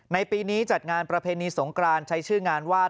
ปีนี้จัดงานประเพณีสงกรานใช้ชื่องานวาด